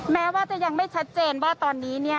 แม้ว่าจะยังไม่ชัดเจนว่าตอนนี้เนี่ย